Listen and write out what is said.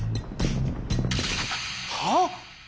はっ！？